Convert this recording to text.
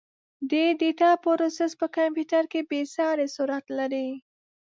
د ډیټا پروسس په کمپیوټر کې بېساري سرعت لري.